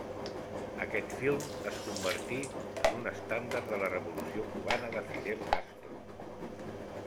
Aquest film es convertí en un estendard de la Revolució Cubana de Fidel Castro.